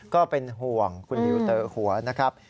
ก็เป็นห่วงคุณนิวเตอร์หัวนะครับ